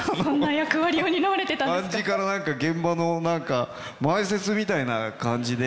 何か現場の前説みたいな感じで。